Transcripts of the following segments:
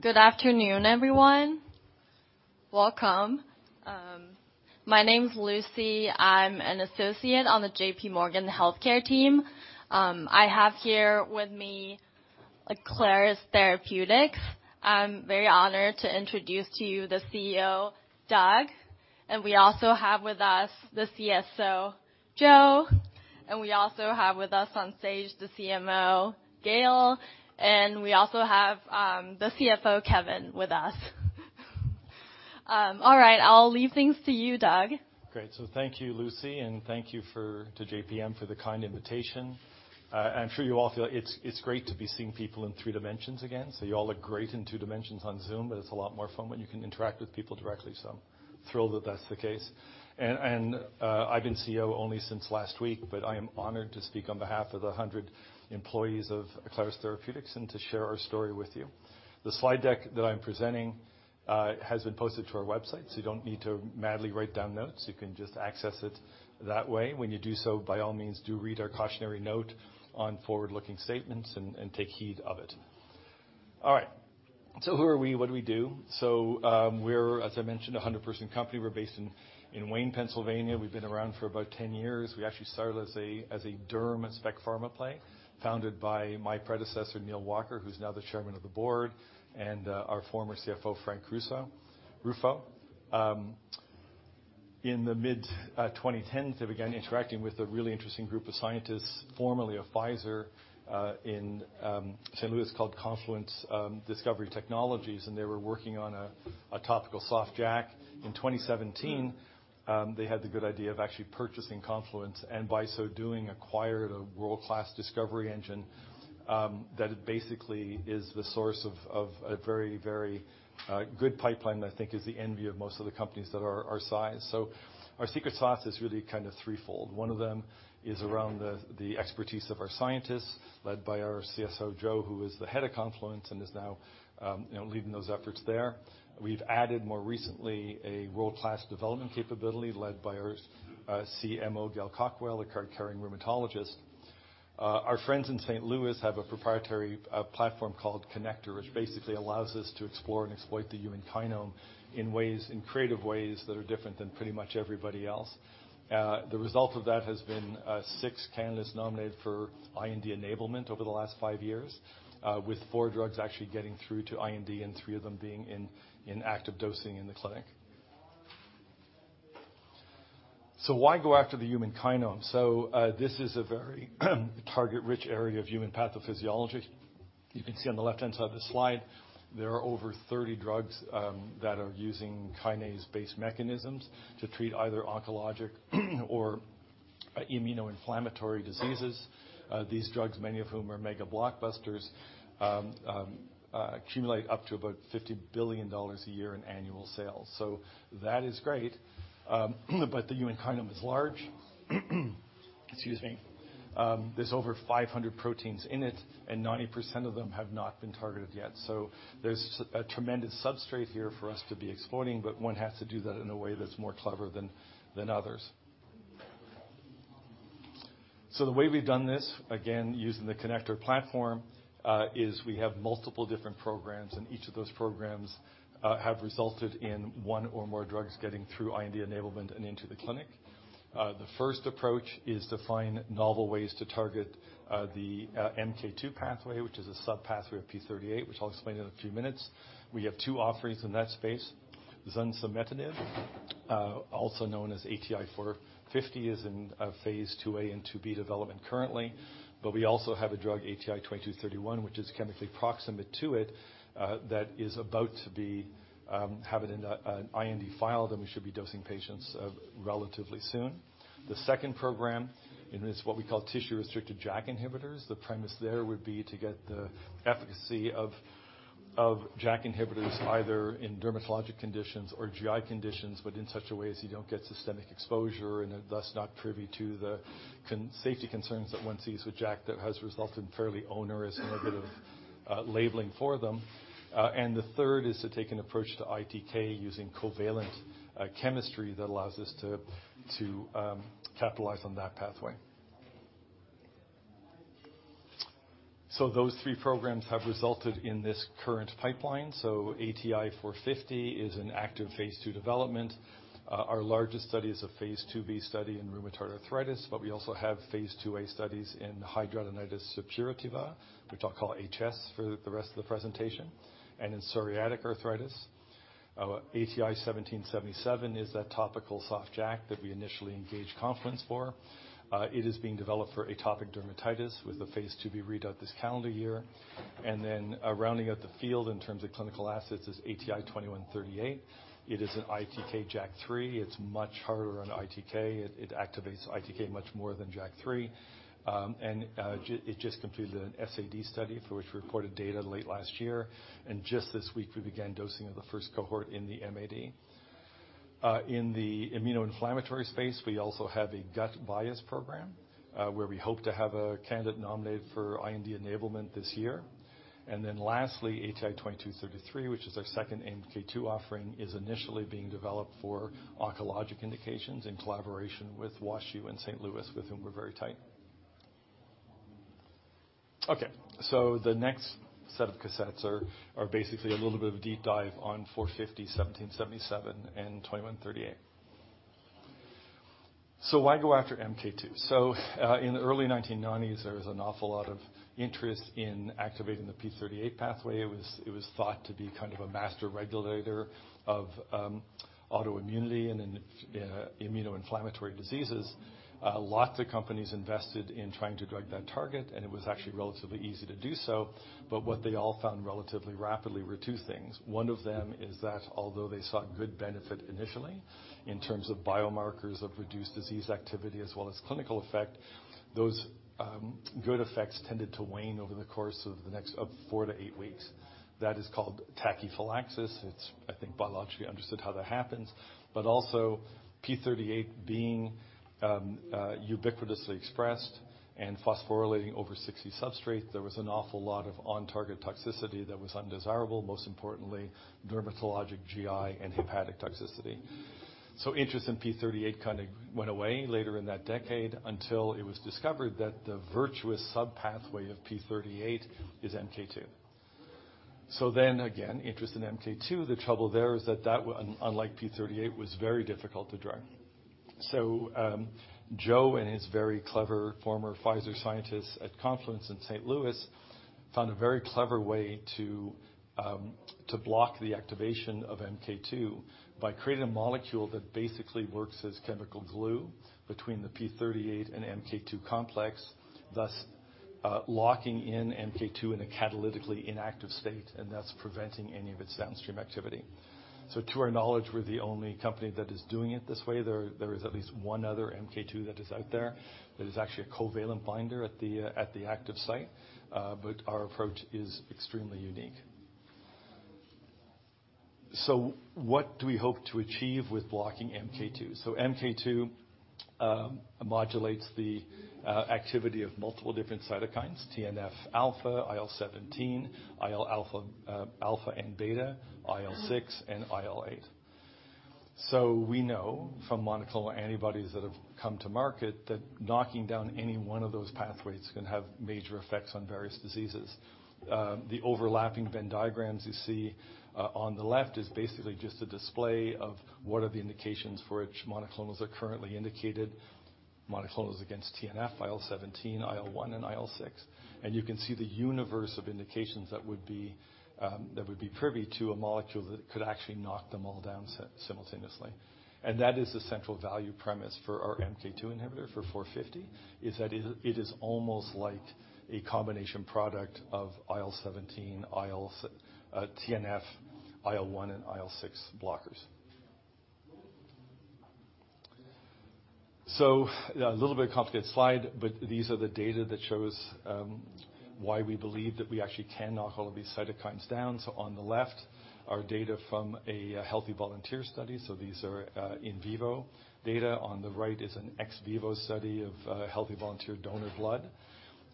Good afternoon, everyone. Welcome. My name's Lucy. I'm an associate on the JP Morgan Health Care team. I have here with me Aclaris Therapeutics. I'm very honored to introduce to you the CEO, Doug. We also have with us the CSO, Joe. We also have with us on stage the CMO, Gail. We also have the CFO, Kevin, with us. All right, I'll leave things to you, Doug. Great. Thank you, Lucy, and thank you to JPM for the kind invitation. I'm sure you all feel it's great to be seeing people in three dimensions again. You all look great in two dimensions on Zoom, but it's a lot more fun when you can interact with people directly, so thrilled that that's the case. I've been CEO only since last week, but I am honored to speak on behalf of the 100 employees of Aclaris Therapeutics and to share our story with you. The slide deck that I'm presenting has been posted to our website, so you don't need to madly write down notes. You can just access it that way. When you do so, by all means, do read our cautionary note on forward-looking statements and take heed of it. All right. Who are we? What do we do? We're, as I mentioned, a 100-person company. We're based in Wayne, Pennsylvania. We've been around for about 10 years. We actually started as a derm and spec pharma play, founded by my predecessor, Neal Walker, who's now the Chairman of the Board, and our former CFO, Frank Ruffo. In the mid-2010s, they began interacting with a really interesting group of scientists, formerly of Pfizer, in St. Louis called Confluence Discovery Technologies, and they were working on a topical soft JAK. In 2017, they had the good idea of actually purchasing Confluence, and by so doing, acquired a world-class discovery engine that it basically is the source of a very, very good pipeline that I think is the envy of most of the companies that are our size. Our secret sauce is really kind of threefold. One of them is around the expertise of our scientists, led by our CSO, Joe, who is the head of Confluence and is now, you know, leading those efforts there. We've added more recently a world-class development capability led by our CMO, Gail Cawkwell, a card-carrying rheumatologist. Our friends in St. Louis have a proprietary platform called KINect, which basically allows us to explore and exploit the kinome in creative ways that are different than pretty much everybody else. The result of that has been six candidates nominated for IND enablement over the last five years, with four drugs actually getting through to IND and three of them being in active dosing in the clinic. Why go after the kinome? This is a very target-rich area of human pathophysiology. You can see on the left-hand side of the slide, there are over 30 drugs that are using kinase-based mechanisms to treat either oncologic or immuno-inflammatory diseases. These drugs, many of whom are mega blockbusters, accumulate up to about $50 billion a year in annual sales. That is great, but the human kinome is large. Excuse me. There's over 500 proteins in it, and 90% of them have not been targeted yet. There's a tremendous substrate here for us to be exploring, but one has to do that in a way that's more clever than others. The way we've done this, again, using the KINect platform, is we have multiple different programs, and each of those programs have resulted in one or more drugs getting through IND enablement and into the clinic. The first approach is to find novel ways to target the MK2 pathway, which is a sub-pathway of P38, which I'll explain in a few minutes. We have two offerings in that space. Zunsemetinib, also known as ATI-450, is in phase II-A andII-B development currently. We also have a drug, ATI-2231, which is chemically proximate to it, that is about to be an IND file that we should be dosing patients relatively soon. The second program, it's what we call tissue-restricted JAK inhibitors. The premise there would be to get the efficacy of JAK inhibitors either in dermatologic conditions or GI conditions, but in such a way as you don't get systemic exposure and are thus not privy to the safety concerns that one sees with JAK that has resulted in fairly onerous negative labeling for them. The third is to take an approach to ITK using covalent chemistry that allows us to capitalize on that pathway. Those three programs have resulted in this current pipeline. ATI-450 is in active phase II development. Our largest study is a phase II-B study in rheumatoid arthritis, but we also have phase II-A studies in hidradenitis suppurativa, which I'll call HS for the rest of the presentation, and in psoriatic arthritis. Our ATI-1777 is a topical soft JAK that we initially engaged Confluence for. It is being developed for atopic dermatitis with a phase II-B readout this calendar year. Rounding out the field in terms of clinical assets is ATI-2138. It is an ITK/JAK3. It's much harder on ITK. It activates ITK much more than JAK3. It just completed an SAD study for which we reported data late last year. Just this week, we began dosing of the first cohort in the MAD. In the immunoinflammatory space, we also have a gut bias program, where we hope to have a candidate nominated for IND enablement this year. Lastly, ATI-2231, which is our second MK2 offering, is initially being developed for oncologic indications in collaboration with Washington University in St. Louis. Louis, with whom we're very tight. Okay, the next set of cassettes are basically a little bit of a deep dive on 450, 1777, and 2138. Why go after MK2? In the early 1990s, there was an awful lot of interest in activating the P38 pathway. It was thought to be kind of a master regulator of autoimmunity and immunoinflammatory diseases. Lots of companies invested in trying to drug that target, it was actually relatively easy to do so. What they all found relatively rapidly were two things. One of them is that although they saw good benefit initially in terms of biomarkers of reduced disease activity as well as clinical effect, those good effects tended to wane over the course of the next four to eight weeks. That is called tachyphylaxis. It's, I think, biologically understood how that happens, but also P38 being ubiquitously expressed and phosphorylating over 60 substrates, there was an awful lot of on-target toxicity that was undesirable, most importantly, dermatologic GI and hepatic toxicity. Interest in P38 kind of went away later in that decade until it was discovered that the virtuous sub-pathway of P38 is MK2. Again, interest in MK2, the trouble there is that unlike P38 was very difficult to drug. Joe and his very clever former Pfizer scientists at Confluence in St. Louis found a very clever way to block the activation of MK2 by creating a molecule that basically works as chemical glue between the P38 and MK2 complex, thus locking in MK2 in a catalytically inactive state, and thus preventing any of its downstream activity. To our knowledge, we're the only company that is doing it this way. There is at least one other MK2 that is out there that is actually a covalent binder at the active site. Our approach is extremely unique. What do we hope to achieve with blocking MK2? MK2 modulates the activity of multiple different cytokines, TNF-alpha, IL-17, IL alpha and beta, IL-6, and IL-8. We know from monoclonal antibodies that have come to market that knocking down any 1 of those pathways can have major effects on various diseases. The overlapping Venn diagrams you see on the left is basically just a display of what are the indications for which monoclonals are currently indicated, monoclonals against TNF, IL-17, IL-1, and IL-6. You can see the universe of indications that would be that would be privy to a molecule that could actually knock them all down simultaneously. That is the central value premise for our MK2 inhibitor for ATI-450, is that it is almost like a combination product of IL-17, IL TNF, IL-1, and IL-6 blockers. A little bit of a complicated slide, but these are the data that shows why we believe that we actually can knock all of these cytokines down. On the left are data from a healthy volunteer study. These are in vivo data. On the right is an ex vivo study of healthy volunteer donor blood.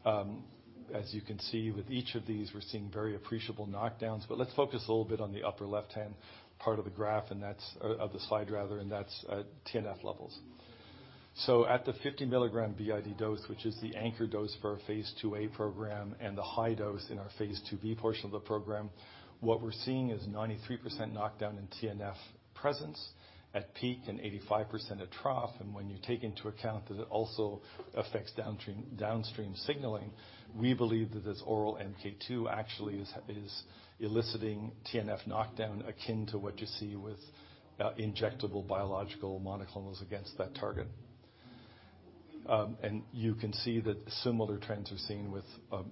As you can see with each of these, we're seeing very appreciable knockdowns. Let's focus a little bit on the upper left-hand part of the graph, and that's of the slide rather, and that's TNF levels. At the 50 mg BID dose, which is the anchor dose for our phase II-A program and the high dose in our phase II-B portion of the program, what we're seeing is 93% knockdown in TNF presence at peak and 85% at trough. When you take into account that it also affects downstream signaling, we believe that this oral MK2 actually is eliciting TNF knockdown akin to what you see with injectable biological monoclonals against that target. You can see that similar trends are seen with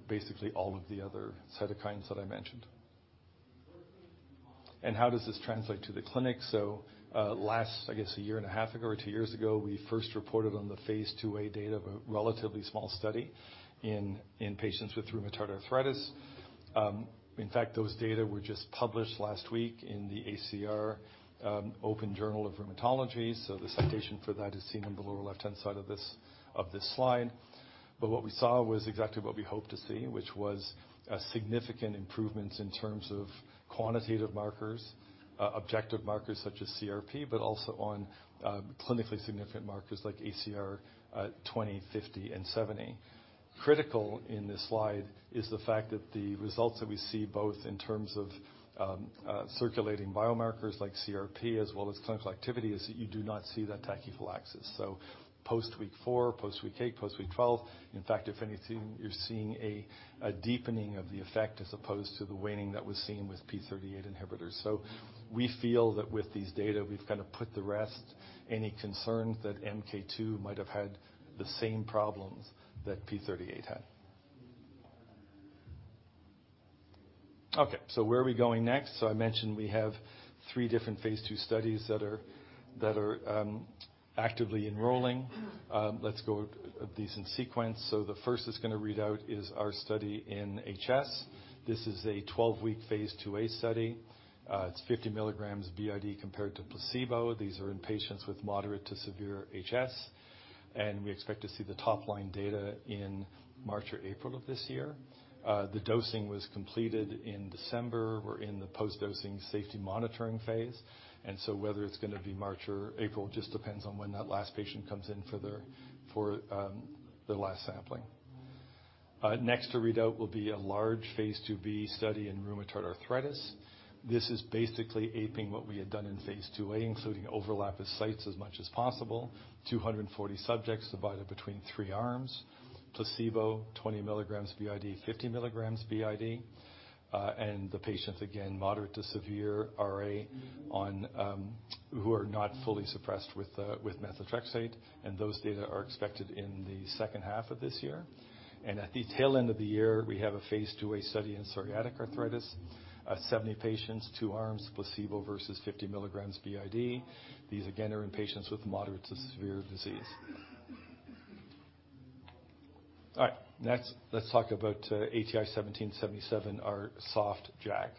basically all of the other cytokines that I mentioned. How does this translate to the clinic? Last, I guess, a year and a half ago or two years ago, we first reported on the phase II-A data of a relatively small study in patients with rheumatoid arthritis. In fact, those data were just published last week in the ACR Open Rheumatology. The citation for that is seen on the lower left-hand side of this slide. What we saw was exactly what we hoped to see, which was significant improvements in terms of quantitative markers, objective markers such as CRP, but also on clinically significant markers like ACR 20, 50, and 70. Critical in this slide is the fact that the results that we see both in terms of circulating biomarkers like CRP as well as clinical activity, is that you do not see that tachyphylaxis. Post week four, post week eight, post week 12. In fact, if anything, you're seeing a deepening of the effect as opposed to the waning that was seen with P38 inhibitors. We feel that with these data, we've kind of put to rest any concerns that MK2 might have had the same problems that P38 had. Where are we going next? I mentioned we have three different phase II studies that are actively enrolling. Let's go at these in sequence. The first that's gonna read out is our study in HS. This is a 12-week phase II-A study. It's 50 mg BID compared to placebo. These are in patients with moderate to severe HS, and we expect to see the top-line data in March or April of this year. The dosing was completed in December. We're in the post-dosing safety monitoring phase, whether it's gonna be March or April just depends on when that last patient comes in for their last sampling. Next to readout will be a large phase II-B study in rheumatoid arthritis. This is basically aping what we had done in phase II-A, including overlap of sites as much as possible. 240 subjects divided between three arms. Placebo, 20 mg BID, 50 mg BID. The patients, again, moderate to severe RA on who are not fully suppressed with methotrexate, and those data are expected in the second half of this year. At the tail end of the year, we have a phase II-A study in psoriatic arthritis. 70 patients, two arms, placebo versus 50 mg BID. These, again, are in patients with moderate to severe disease. Next, let's talk about ATI-1777, our soft JAK.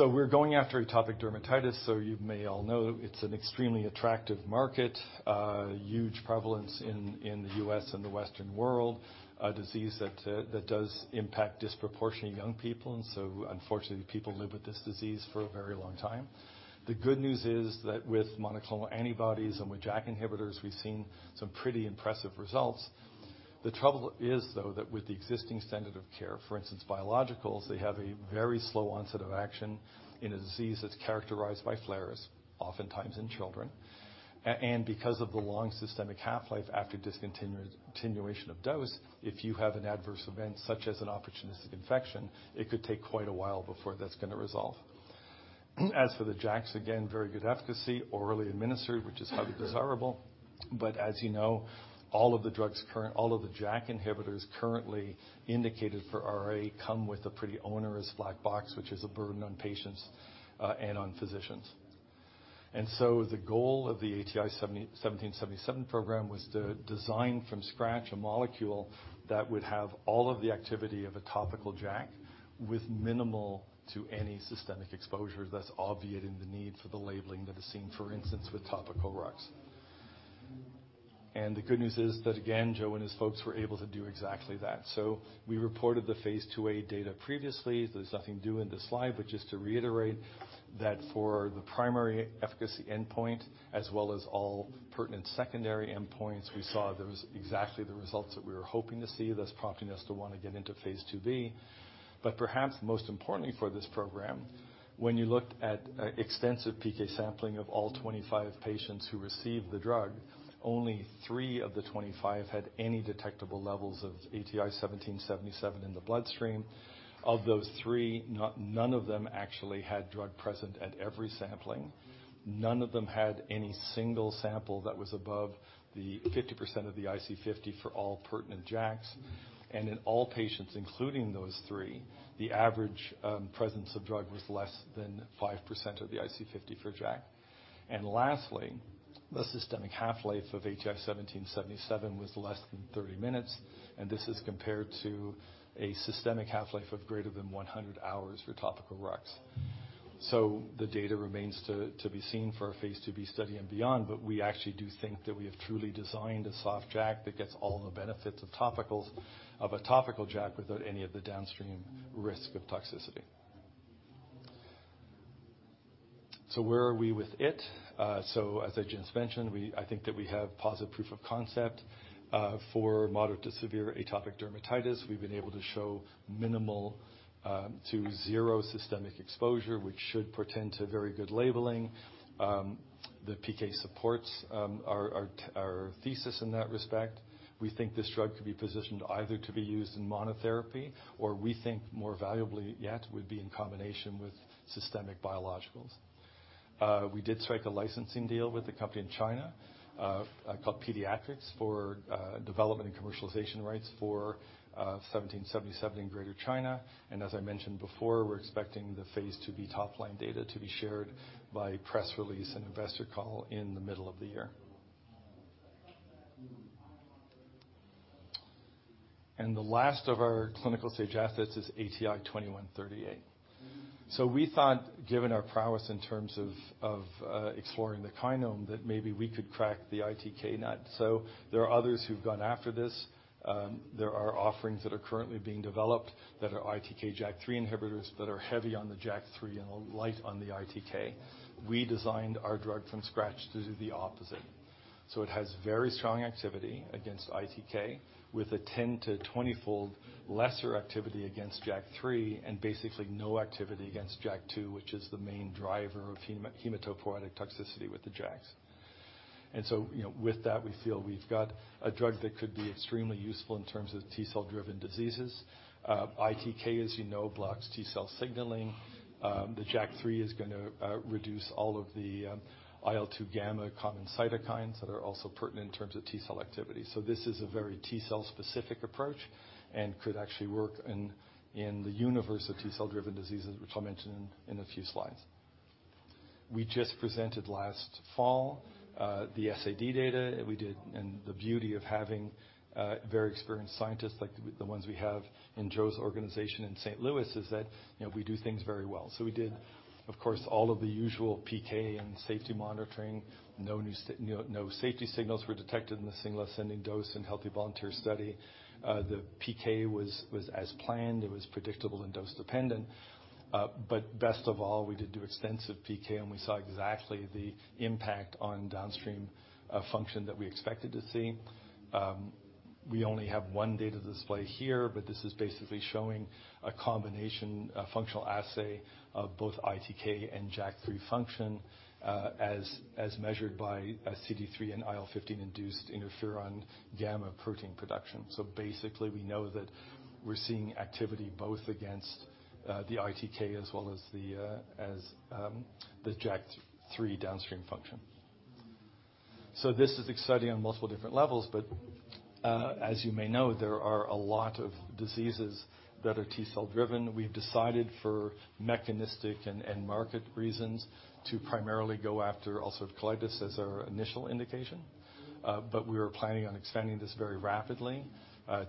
We're going after atopic dermatitis, so you may all know it's an extremely attractive market. Huge prevalence in the U.S. and the Western world. A disease that does impact disproportionately young people, unfortunately people live with this disease for a very long time. The good news is that with monoclonal antibodies and with JAK inhibitors, we've seen some pretty impressive results. The trouble is, though, that with the existing standard of care, for instance, biologicals, they have a very slow onset of action in a disease that's characterized by flares, oftentimes in children. Because of the long systemic half-life after continuation of dose, if you have an adverse event such as an opportunistic infection, it could take quite a while before that's gonna resolve. As for the JAKs, again, very good efficacy. Orally administered, which is highly desirable. As you know, all of the JAK inhibitors currently indicated for RA come with a pretty onerous black box, which is a burden on patients and on physicians. The goal of the ATI-1777 program was to design from scratch a molecule that would have all of the activity of a topical JAK with minimal to any systemic exposure thus obviating the need for the labeling that is seen, for instance, with topical RUX. The good news is that, again, Joe and his folks were able to do exactly that. We reported the phase II-A data previously. There's nothing due in this slide, but just to reiterate that for the primary efficacy endpoint as well as all pertinent secondary endpoints, we saw those exactly the results that we were hoping to see. Thus prompting us to wanna get into phase II-B. Perhaps most importantly for this program, when you looked at extensive PK sampling of all 25 patients who received the drug, only three of the 25 had any detectable levels of ATI-1777 in the bloodstream. Of those three, none of them actually had drug present at every sampling. None of them had any single sample that was above the 50% of the IC50 for all pertinent JAKs. In all patients, including those three, the average presence of drug was less than 5% of the IC50 for JAK. Lastly, the systemic half-life of ATI-1777 was less than 30 minutes, and this is compared to a systemic half-life of greater than 100 hours for topical RUX. The data remains to be seen for our phase II-B study and beyond, but we actually do think that we have truly designed a soft JAK that gets all the benefits of topicals of a topical JAK without any of the downstream risk of toxicity. Where are we with it? As I just mentioned, I think that we have positive proof of concept for moderate to severe atopic dermatitis. We've been able to show minimal to zero systemic exposure, which should portend to very good labeling. The PK supports our thesis in that respect. We think this drug could be positioned either to be used in monotherapy or we think more valuably yet would be in combination with systemic biologicals. We did strike a licensing deal with a company in China called Pediatrix for development and commercialization rights for ATI-1777 in Greater China. As I mentioned before, we're expecting the phase II-B top-line data to be shared by press release and investor call in the middle of the year. The last of our clinical-stage assets is ATI-2138. We thought, given our prowess in terms of exploring the kinome, that maybe we could crack the ITK nut. There are others who've gone after this. There are offerings that are currently being developed that are ITK/JAK3 inhibitors that are heavy on the JAK3 and are light on the ITK. We designed our drug from scratch to do the opposite. It has very strong activity against ITK, with a 10-20-fold lesser activity against JAK3 and basically no activity against JAK2, which is the main driver of hematopoietic toxicity with the JAKs. You know, with that, we feel we've got a drug that could be extremely useful in terms of T-cell driven diseases. ITK, as you know, blocks T-cell signaling. The JAK3 is gonna reduce all of the IL-2 gamma common cytokines that are also pertinent in terms of T-cell activity. This is a very T-cell specific approach and could actually work in the universe of T-cell driven diseases, which I'll mention in a few slides. We just presented last fall, the SAD data we did. The beauty of having very experienced scientists like the ones we have in Joe's organization in St. Louis is that, you know, we do things very well. We did, of course, all of the usual PK and safety monitoring. No new, you know, no safety signals were detected in the single ascending dose in healthy volunteer study. The PK was as planned. It was predictable and dose-dependent. Best of all, we did do extensive PK, and we saw exactly the impact on downstream function that we expected to see. We only have one data display here, but this is basically showing a combination, a functional assay of both ITK and JAK3 function, as measured by CD3 and IL-15 induced Interferon-gamma protein production. Basically, we know that we're seeing activity both against the ITK as well as the JAK3 downstream function. This is exciting on multiple different levels, but as you may know, there are a lot of diseases that are T-cell-driven. We've decided for mechanistic and market reasons to primarily go after ulcerative colitis as our initial indication. We are planning on expanding this very rapidly.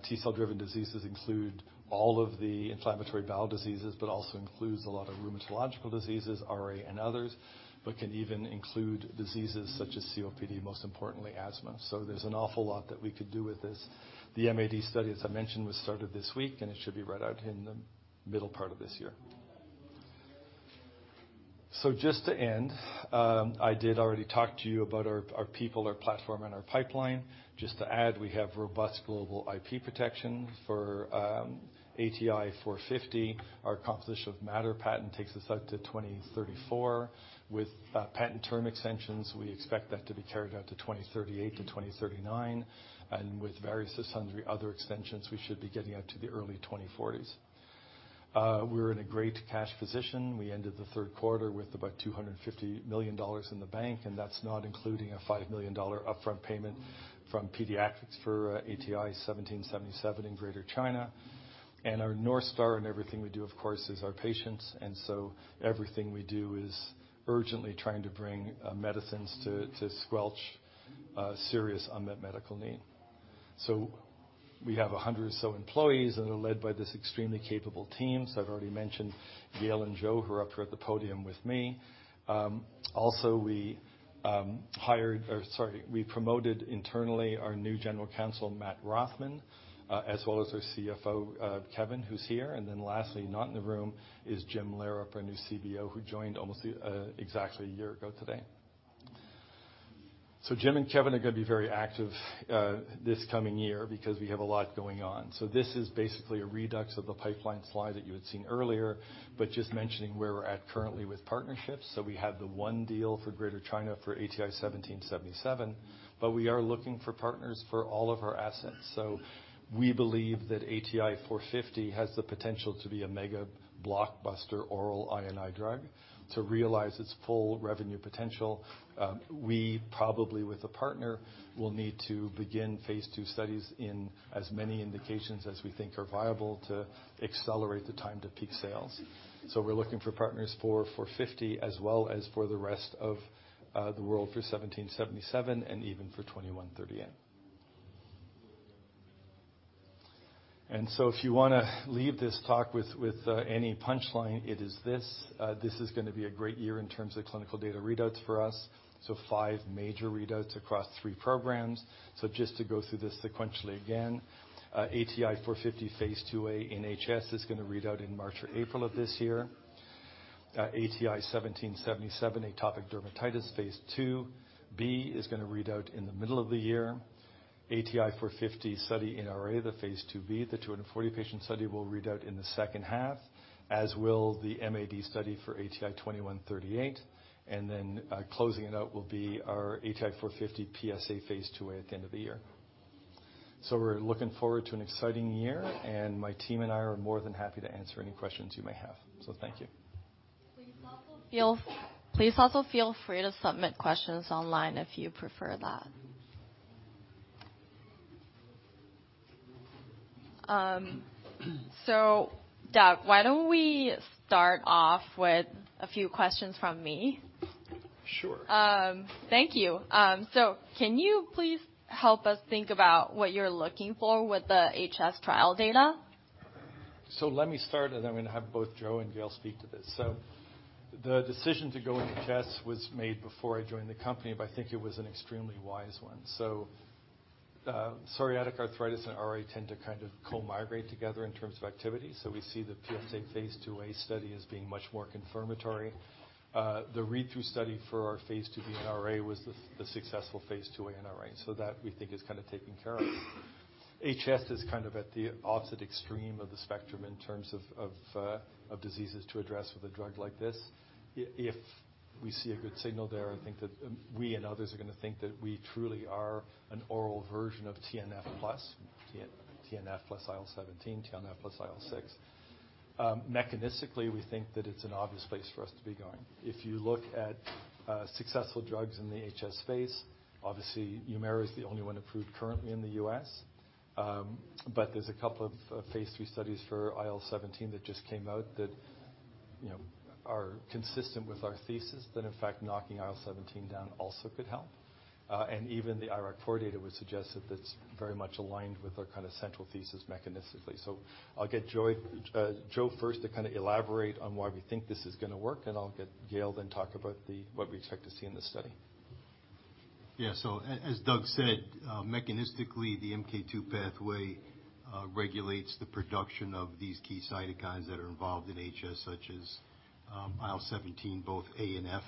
T-cell-driven diseases include all of the inflammatory bowel diseases, but also includes a lot of rheumatological diseases, RA, and others, but can even include diseases such as COPD, most importantly, asthma. There's an awful lot that we could do with this. The MAD study, as I mentioned, was started this week. It should be read out in the middle part of this year. Just to end, I did already talk to you about our people, our platform, and our pipeline. Just to add, we have robust global IP protection. For ATI-450, our composition of matter patent takes us out to 2034. With patent term extensions, we expect that to be carried out to 2038-2039. With various sundry other extensions, we should be getting out to the early 2040s. We're in a great cash position. We ended the third quarter with about $250 million in the bank, that's not including a $5 million upfront payment from Pediatrix for ATI-1777 in Greater China. Our North Star in everything we do, of course, is our patients, everything we do is urgently trying to bring medicines to squelch serious unmet medical need. We have 100 or so employees that are led by this extremely capable team. I've already mentioned Gail and Joe, who are up here at the podium with me. Also, we promoted internally our new General Counsel, Matt Rothman, as well as our CFO, Kevin, who's here. Lastly, not in the room, is Jim Loerop, our new CBO, who joined almost exactly a year ago today. Jim and Kevin are gonna be very active this coming year because we have a lot going on. This is basically a redux of the pipeline slide that you had seen earlier, but just mentioning where we're at currently with partnerships. We have the one deal for Greater China for ATI-1777, but we are looking for partners for all of our assets. We believe that ATI-450 has the potential to be a mega blockbuster oral INI drug. To realize its full revenue potential, we probably, with a partner, will need to begin phase II studies in as many indications as we think are viable to accelerate the time to peak sales. We're looking for partners for 450 as well as for the rest of the world for 1777 and even for 2138. If you wanna leave this talk with any punchline, it is this. This is gonna be a great year in terms of clinical data readouts for us. Five major readouts across three programs. Just to go through this sequentially again, ATI-450 phase II-A in HS is gonna read out in March or April of this year. ATI-1777 atopic dermatitis phase II-B is gonna read out in the middle of the year. ATI-450 study in RA, the phase II-B, the 240 patient study will read out in the second half, as will the MAD study for ATI-2138. Closing it out will be our ATI-450 PSA phase II-A at the end of the year. We're looking forward to an exciting year, and my team and I are more than happy to answer any questions you may have. Thank you. Please also feel free to submit questions online if you prefer that. Doug, why don't we start off with a few questions from me? Sure. Thank you. Can you please help us think about what you're looking for with the HS trial data? Let me start, and then I'm gonna have both Joe and Gail speak to this. The decision to go into HS was made before I joined the company, but I think it was an extremely wise one. Psoriatic arthritis and RA tend to kind of co-migrate together in terms of activity. We see the PSA phase II-A study as being much more confirmatory. The read-through study for our phase II-B in RA was the successful phase II-A in RA. That we think is kind of taken care of. HS is kind of at the opposite extreme of the spectrum in terms of diseases to address with a drug like this. If we see a good signal there, I think that we and others are gonna think that we truly are an oral version of TNF plus, TNF plus IL-17, TNF plus IL-6. Mechanistically, we think that it's an obvious place for us to be going. If you look at successful drugs in the HS space, obviously HUMIRA is the only one approved currently in the U.S. But there's a couple of phase III studies for IL-17 that just came out that, you know, are consistent with our thesis that in fact knocking IL-17 down also could help. And even the IRAK4 data would suggest that that's very much aligned with our kind of central thesis mechanistically. I'll get Joe first to kinda elaborate on why we think this is gonna work, and I'll get Gail then talk about the. what we expect to see in this study. Yeah. As Doug said, mechanistically, the MK2 pathway regulates the production of these key cytokines that are involved in HS, such as IL-17, both A and F,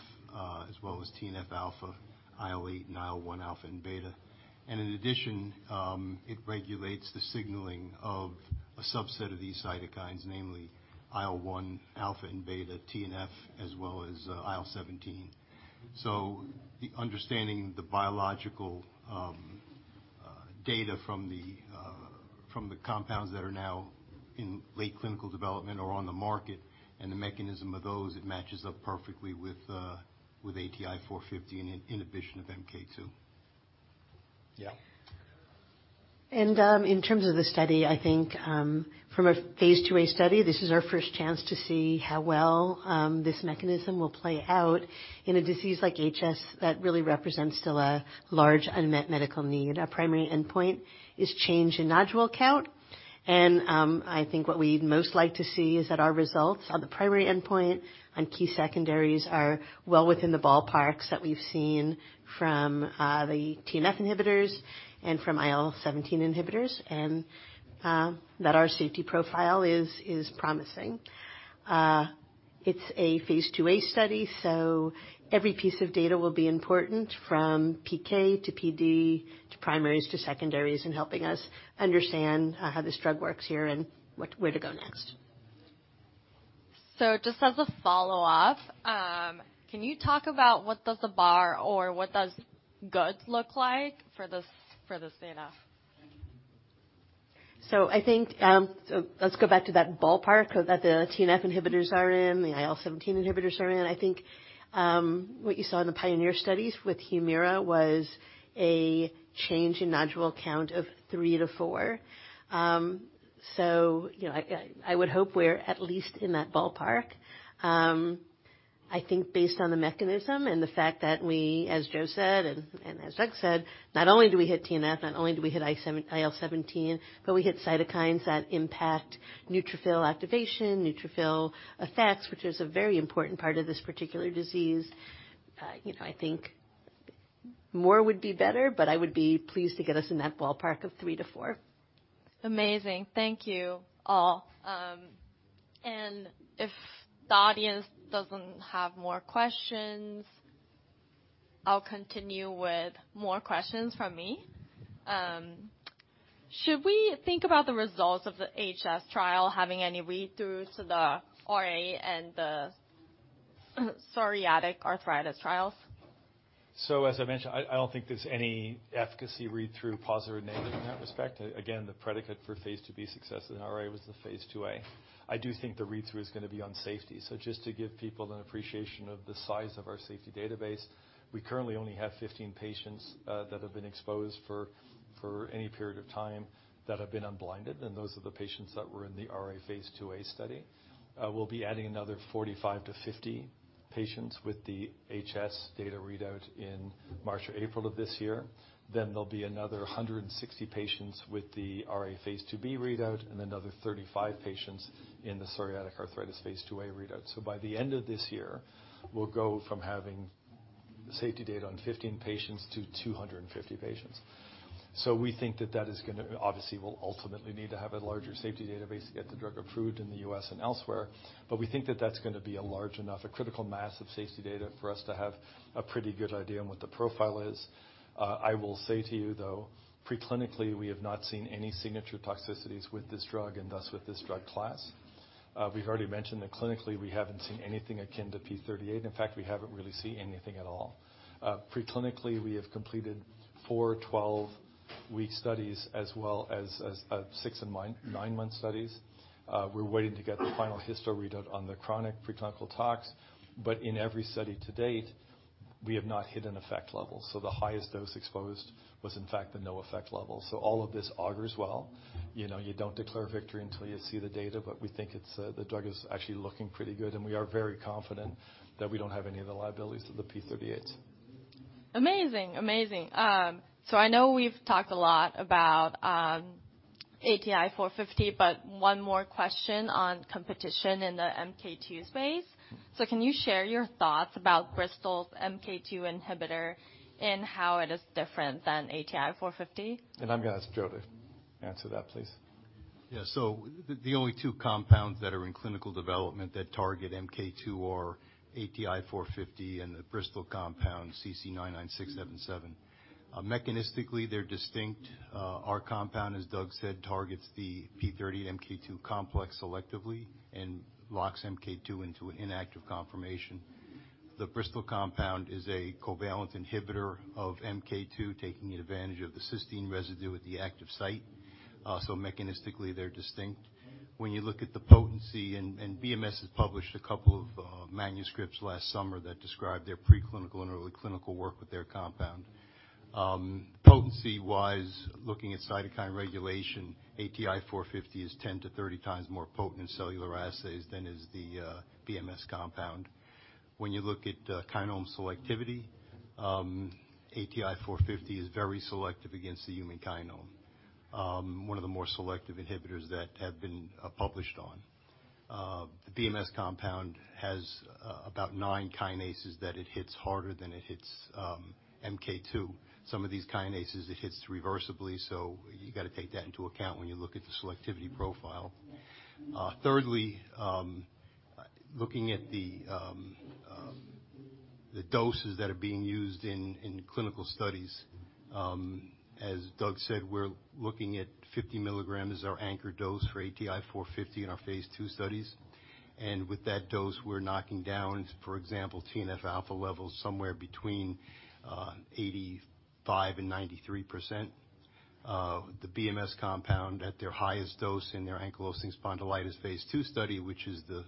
as well as TNF-alpha, IL-8 and IL-1 alpha and beta. In addition, it regulates the signaling of a subset of these cytokines, namely IL-1 alpha and beta, TNF, as well as IL-17. Understanding the biological data from the compounds that are now in late clinical development or on the market and the mechanism of those, it matches up perfectly with ATI-450 and in inhibition of MK2. Yeah. In terms of the study, I think, from a phase II-A study, this is our first chance to see how well this mechanism will play out in a disease like HS that really represents still a large unmet medical need. Our primary endpoint is change in nodule count. I think what we'd most like to see is that our results on the primary endpoint, on key secondaries are well within the ballparks that we've seen from the TNF inhibitors and from IL-17 inhibitors, and that our safety profile is promising. It's a phase II-A study, so every piece of data will be important from PK to PD to primaries to secondaries in helping us understand how this drug works here and where to go next. Just as a follow-up, can you talk about what does a bar or what does good look like for this data? I think, let's go back to that ballpark that the TNF inhibitors are in, the IL-17 inhibitors are in. I think, what you saw in the PIONEER studies with HUMIRA was a change in nodule count of three to four. You know, I would hope we're at least in that ballpark. I think based on the mechanism and the fact that we, as Joe said, and as Doug said, not only do we hit TNF, not only do we hit IL-17, but we hit cytokines that impact neutrophil activation, neutrophil effects, which is a very important part of this particular disease. You know, I think more would be better, but I would be pleased to get us in that ballpark of three to four. Amazing. Thank you all. If the audience doesn't have more questions, I'll continue with more questions from me. Should we think about the results of the HS trial having any read-throughs to the RA and the psoriatic arthritis trials? As I mentioned, I don't think there's any efficacy read-through, positive or negative in that respect. Again, the predicate for phase II-B success in RA was the phase II-A. I do think the read-through is gonna be on safety. Just to give people an appreciation of the size of our safety database, we currently only have 15 patients that have been exposed for any period of time that have been unblinded, and those are the patients that were in the RA phase II-A study. We'll be adding another 45-50 patients with the HS data readout in March or April of this year. There'll be another 160 patients with the RA phase II-B readout, and another 35 patients in the psoriatic arthritis phase II-A readout. By the end of this year, we'll go from having safety data on 15 patients to 250 patients. We think that that is gonna. Obviously, we'll ultimately need to have a larger safety database to get the drug approved in the U.S. and elsewhere, but we think that that's gonna be a large enough, a critical mass of safety data for us to have a pretty good idea on what the profile is. I will say to you, though, pre-clinically, we have not seen any signature toxicities with this drug and thus with this drug class. We've already mentioned that clinically, we haven't seen anything akin to P38. In fact, we haven't really seen anything at all. Pre-clinically, we have completed four 12-week studies, as well as six and nine nine-month studies. We're waiting to get the final histo readout on the chronic pre-clinical tox. In every study to date, we have not hit an effect level. The highest dose exposed was, in fact, the no effect level. All of this augurs well. You know, you don't declare victory until you see the data, but we think it's, the drug is actually looking pretty good, and we are very confident that we don't have any of the liabilities of the P38. Amazing. Amazing. I know we've talked a lot about ATI-450, but one more question on competition in the MK2 space. Can you share your thoughts about Bristol's MK2 inhibitor and how it is different than ATI-450? I'm gonna ask Joe to answer that, please. The only two compounds that are in clinical development that target MK2 are ATI-450 and the Bristol compound CC-99677. Mechanistically, they're distinct. Our compound, as Doug said, targets the P30 MK2 complex selectively and locks MK2 into an inactive confirmation. The Bristol compound is a covalent inhibitor of MK2, taking advantage of the cysteine residue at the active site. Mechanistically, they're distinct. When you look at the potency, and BMS has published a couple of manuscripts last summer that described their pre-clinical and early clinical work with their compound. Potency-wise, looking at cytokine regulation, ATI-450 is 10-30 times more potent in cellular assays than is the BMS compound. When you look at kinome selectivity, ATI-450 is very selective against the human kinome. One of the more selective inhibitors that have been published on. The BMS compound has about 9 kinases that it hits harder than it hits MK2. Some of these kinases, it hits reversibly, so you gotta take that into account when you look at the selectivity profile. Thirdly, looking at the doses that are being used in clinical studies. As Doug said, we're looking at 50 mg, our anchor dose for ATI-450 in our phase II studies. With that dose, we're knocking down, for example, TNF-alpha levels somewhere between 85% and 93%. The BMS compound at their highest dose in their ankylosing spondylitis phase II study, which is the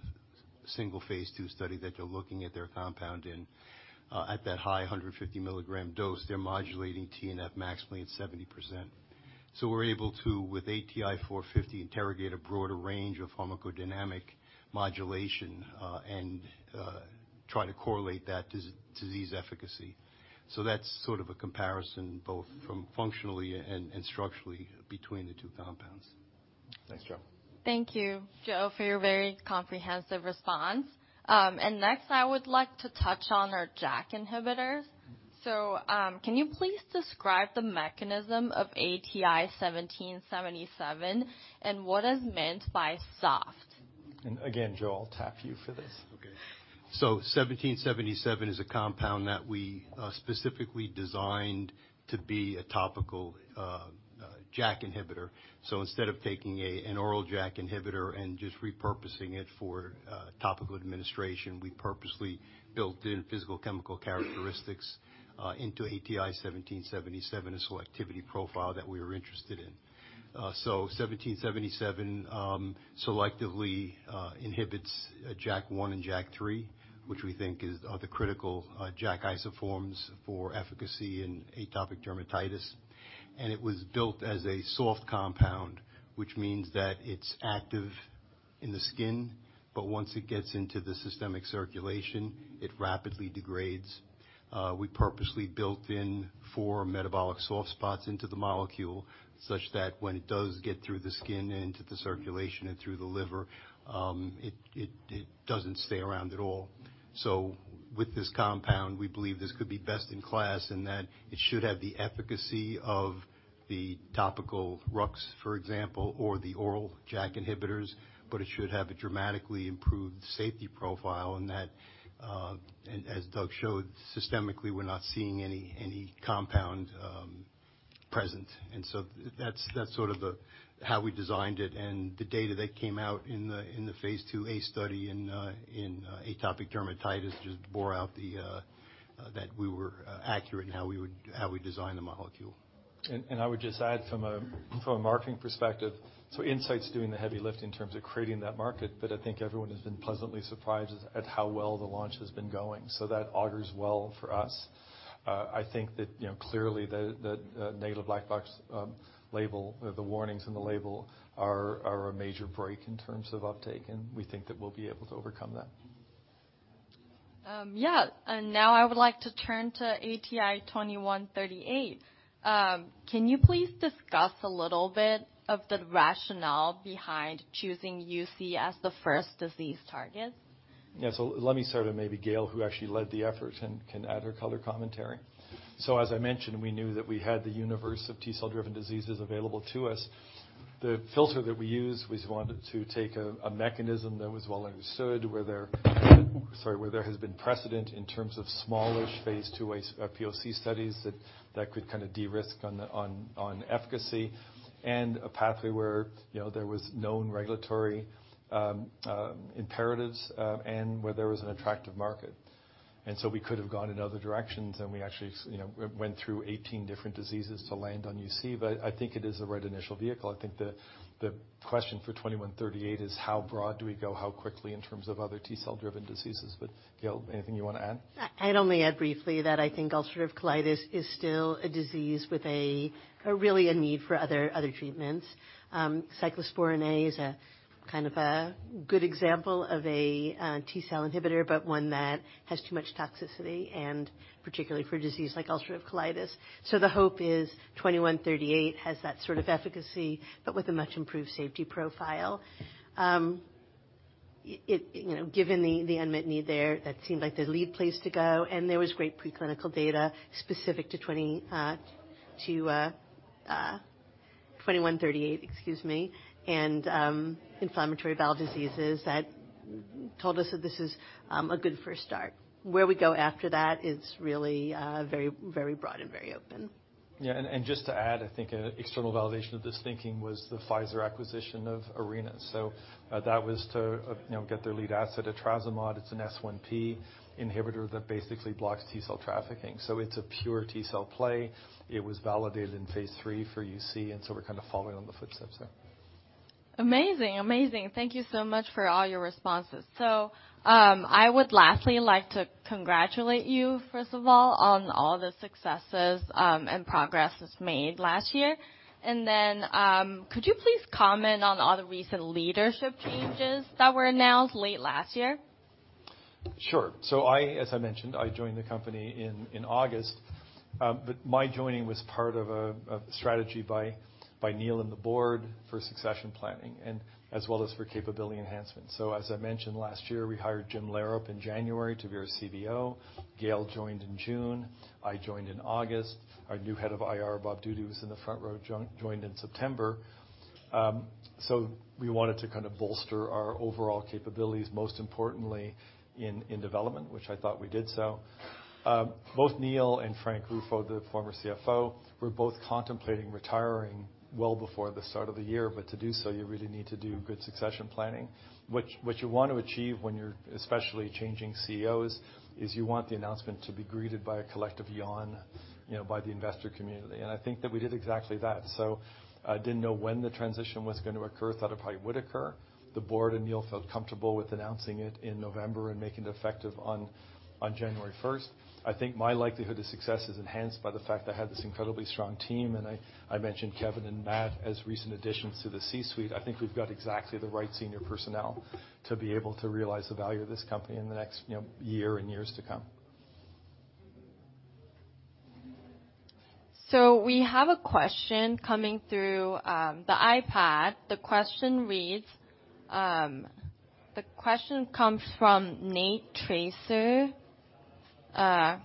single phase II study that they're looking at their compound in. At that high 150 mg dose, they're modulating TNF maximally at 70%. We're able to, with ATI-450, interrogate a broader range of pharmacodynamic modulation, and try to correlate that disease efficacy. That's sort of a comparison, both from functionally and structurally between the two compounds. Thanks, Joe. Thank you, Joe, for your very comprehensive response. Next, I would like to touch on our JAK inhibitors. Can you please describe the mechanism of ATI-1777 and what is meant by soft? Again, Joe, I'll tap you for this. Okay. 1777 is a compound that we specifically designed to be a topical JAK inhibitor. Instead of taking an oral JAK inhibitor and just repurposing it for topical administration, we purposely built in physical chemical characteristics into ATI-1777, a selectivity profile that we were interested in. 1777 selectively inhibits JAK1 and JAK3, which we think is, are the critical JAK isoforms for efficacy in atopic dermatitis. It was built as a soft compound, which means that it's active in the skin, but once it gets into the systemic circulation, it rapidly degrades. We purposely built in four metabolic soft spots into the molecule, such that when it does get through the skin and to the circulation and through the liver, it doesn't stay around at all. With this compound, we believe this could be best in class and that it should have the efficacy of the topical RUX, for example, or the oral JAK inhibitors, but it should have a dramatically improved safety profile. That, and as Doug showed, systemically, we're not seeing any compound present. That's sort of the, how we designed it. The data that came out in the phase II-A study in atopic dermatitis just bore out the that we were accurate in how we designed the molecule. I would just add from a marketing perspective, so Incyte's doing the heavy lifting in terms of creating that market, but I think everyone has been pleasantly surprised at how well the launch has been going. That augurs well for us. I think that, you know, clearly the negative black box label, the warnings in the label are a major break in terms of uptake, and we think that we'll be able to overcome that. Yeah. Now I would like to turn to ATI-2138. Can you please discuss a little bit of the rationale behind choosing UC as the first disease target? Yeah. Let me start, and maybe Gail, who actually led the effort can add her color commentary. As I mentioned, we knew that we had the universe of T-cell driven diseases available to us. The filter that we used, we just wanted to take a mechanism that was well understood, where there has been precedent in terms of smallish phase II POC studies that could kind of de-risk on efficacy, and a pathway where, you know, there was known regulatory imperatives, and where there was an attractive market. We could have gone in other directions, and we actually you know, went through 18 different diseases to land on UC, but I think it is the right initial vehicle. I think the question for ATI-2138 is how broad do we go, how quickly in terms of other T-cell driven diseases. Gail, anything you wanna add? I'd only add briefly that I think ulcerative colitis is still a disease with a really a need for other treatments. Cyclosporine is a kind of a good example of a T-cell inhibitor, but one that has too much toxicity and particularly for a disease like ulcerative colitis. The hope is 2138 has that sort of efficacy, but with a much improved safety profile. It, it, you know, given the unmet need there, that seemed like the lead place to go, and there was great preclinical data specific to 2138, excuse me, and inflammatory bowel diseases that told us that this is a good first start. Where we go after that is really very, very broad and very open. Yeah. Just to add, I think an external validation of this thinking was the Pfizer acquisition of Arena. That was to, you know, get their lead asset, etrasimod. It's an S1P inhibitor that basically blocks T-cell trafficking. It's a pure T-cell play. It was validated in phase III for UC, we're kind of following on the footsteps there. Amazing. Amazing. Thank you so much for all your responses. I would lastly like to congratulate you, first of all, on all the successes, and progresses made last year. Could you please comment on all the recent leadership changes that were announced late last year? Sure. I, as I mentioned, I joined the company in August. My joining was part of a strategy by Neal and the board for succession planning and as well as for capability enhancements. As I mentioned last year, we hired Jim Loerop in January to be our CBO. Gail joined in June. I joined in August. Our new head of IR, Bob Doody, who's in the front row, joined in September. We wanted to kinda bolster our overall capabilities, most importantly in development, which I thought we did so. Both Neal and Frank Ruffo, the former CFO, were both contemplating retiring well before the start of the year, but to do so, you really need to do good succession planning. What you want to achieve when you're especially changing CEOs, is you want the announcement to be greeted by a collective yawn, you know, by the investor community. I think that we did exactly that. Didn't know when the transition was gonna occur. Thought it probably would occur. The board and Neal felt comfortable with announcing it in November and making it effective on January 1st. I think my likelihood of success is enhanced by the fact I have this incredibly strong team, and I mentioned Kevin and Matt as recent additions to the C-suite. I think we've got exactly the right senior personnel to be able to realize the value of this company in the next, you know, year and years to come. We have a question coming through, the iPad. The question comes from Swapnil Tejwani, Dr.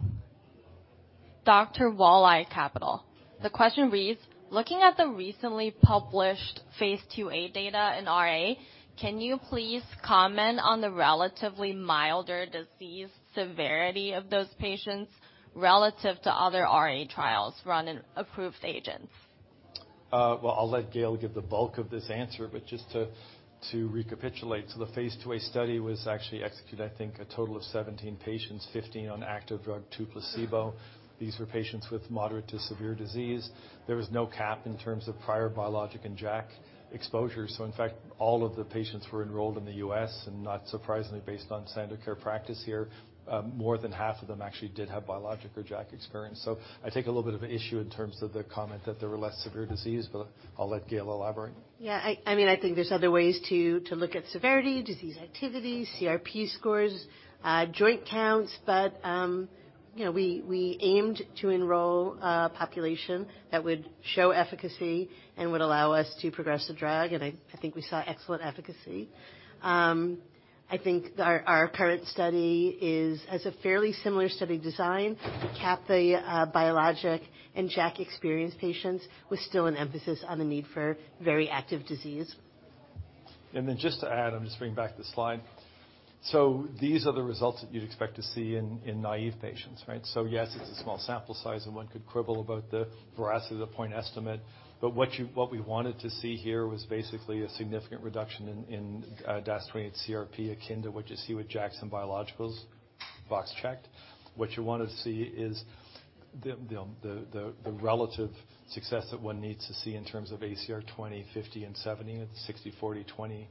Warley Capital. The question reads, "Looking at the recently published phase II-A data in RA, can you please comment on the relatively milder disease severity of those patients relative to other RA trials run in approved agents? Well, I'll let Gail give the bulk of this answer, but just to recapitulate. The phase II-A study was actually executed, I think, a total of 17 patients, 15 on active drug to two placebo. These were patients with moderate to severe disease. There was no cap in terms of prior biologic and JAK exposures. In fact, all of the patients were enrolled in the U.S. and not surprisingly, based on standard care practice here, more than half of them actually did have biologic or JAK experience. I take a little bit of an issue in terms of the comment that they were less severe disease, but I'll let Gail elaborate. Yeah, I mean, I think there's other ways to look at severity, disease activity, CRP scores, joint counts. You know, we aimed to enroll a population that would show efficacy and would allow us to progress the drug, and I think we saw excellent efficacy. I think our current study has a fairly similar study design to cap the biologic and JAK experience patients, with still an emphasis on the need for very active disease. Just to add, I'm just bringing back the slide. These are the results that you'd expect to see in naive patients, right? Yes, it's a small sample size and one could quibble about the veracity of the point estimate, but what we wanted to see here was basically a significant reduction in DAS28-CRP, akin to what you see with JAKs and biologicals. Box checked. What you wanna see is the relative success that one needs to see in terms of ACR 20, 50, and 70. It's 60, 40, 20,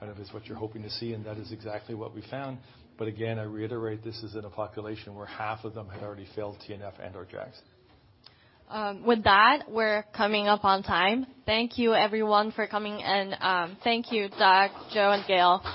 kind of is what you're hoping to see, and that is exactly what we found. Again, I reiterate, this is in a population where half of them had already failed TNF and/or JAKs. With that, we're coming up on time. Thank you everyone for coming, and, thank you, Doug, Joe, and Gail.